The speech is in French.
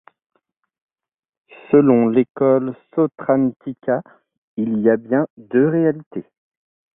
Selon l'école sautrāntika, il y a bien deux réalités.